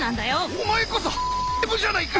お前こそじゃないか！